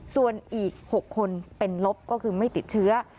ส่วนอีก๖คนเป็นลบก็คือไม่ติดเชื้อ